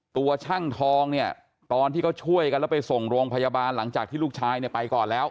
ตัวช่างทองเนี่ยตอนที่เขาช่วยกันแล้วไปส่งโรงพยาบาลหลังจากที่ลูกชายเนี่ยไปก่อนแล้ว